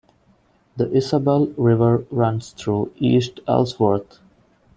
The Isabelle River runs through East Ellsworth.